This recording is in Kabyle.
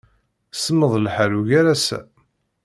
Semmeḍ lḥal ugar ass-a.